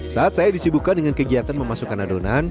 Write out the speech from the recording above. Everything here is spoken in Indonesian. saat saya disibukan dengan kegiatan memasukkan adonan